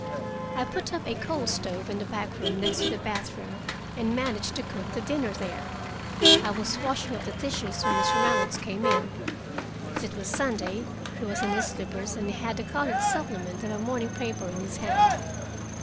I put up a coal stove in a back room next the bathroom, and managed to cook the dinner there. I was washing up the dishes when Mr. Reynolds came in. As it was Sunday, he was in his slippers and had the colored supplement of a morning paper in his hand.